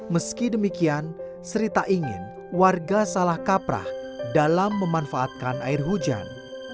meski demikian sri tak ingin warga salah kaprah dalam memanfaatkan air hujan